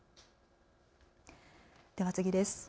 では次です。